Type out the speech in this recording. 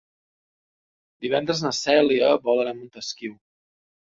Divendres na Cèlia vol anar a Montesquiu.